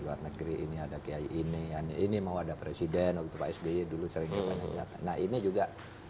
luar negeri ini ada kiai ini ini mau ada presiden waktu pak sby dulu sering kesana nah ini juga